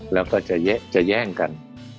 แล้วก็จะแย่งกัน